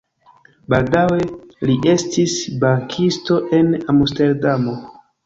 Baldaŭe li estis bankisto en Amsterdamo.